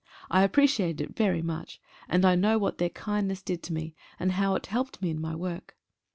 I appreciated it very much, and I know what their kindness did to me, and how it helped me in my work.